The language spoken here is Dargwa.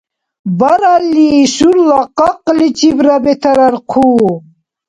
Баралли, шурла къакъличибра бетарар хъу.